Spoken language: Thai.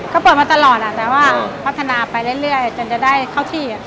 ก็เปิดมาตลอดแต่ว่าพัฒนาไปเรื่อยจนจะได้เข้าที่